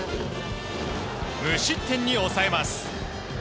無失点に抑えます。